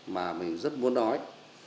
mà mình rất muốn nói